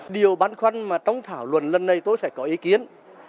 điều băn khoăn mà trong thảo luận lần này tôi sẽ có ý kiến